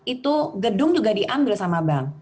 itu gedung juga diambil sama bank